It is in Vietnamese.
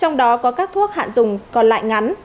trong đó có các thuốc hạ dùng còn lại ngắn